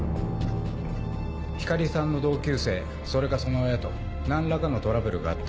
光莉さんの同級生それかその親と何らかのトラブルがあった？